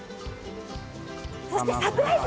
そしてサプライズ！